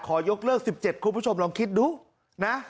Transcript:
ขอยกเลิกสิบเจ็ดคุณผู้ชมลองคิดดูนะ